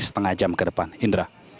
setengah jam ke depan indra